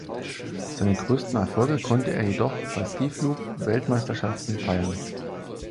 Seine größten Erfolge konnte er jedoch bei Skiflug-Weltmeisterschaften feiern.